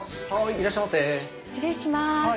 失礼します。